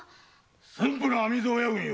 駿府の網蔵親分よ。